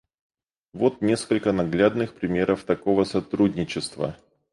Вот несколько наглядных примеров такого сотрудничества.